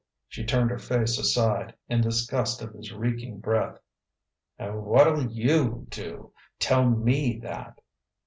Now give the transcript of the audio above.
She turned her face aside, in disgust of his reeking breath. "And what'll you do? Tell me that!"